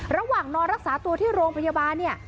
ระหว่างนอนรักษาตัวที่โรงพยาบาลเนี่ย